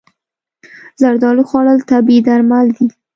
زردالو خوړل طبیعي درمل دي.